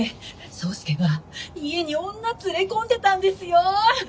草輔が家に女連れ込んでたんですよ。えっ？